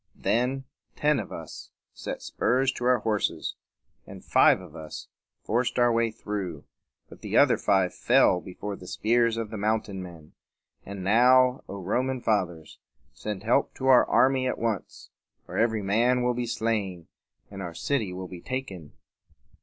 Then ten of us set spurs to our horses; and five of us forced our way through, but the other five fell before the spears of the mountain men. And now, O Roman Fathers! send help to our army at once, or every man will be slain, and our city will be taken."